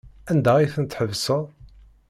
Anda ay ten-tḥebseḍ?